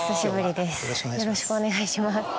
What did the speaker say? よろしくお願いします。